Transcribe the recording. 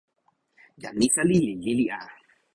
jan Misali li lili a.